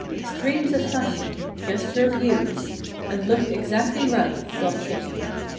Extremes of fashion—^just her views— And looked exactly right, thought Kitty.